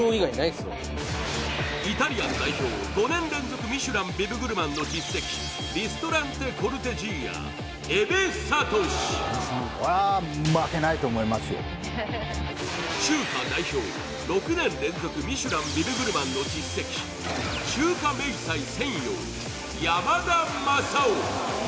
イタリアン代表、５年連続ビブグルマン掲載の実績、リストランテコルテジーア、江部氏中華代表、６年連続ミシュランビブグルマン代表、中華銘菜センヨウ。